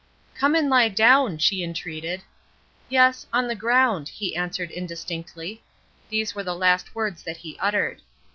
"Come and lie down," she entreated. "Yes, on the ground," he answered indistinctly. These were the last words that he uttered.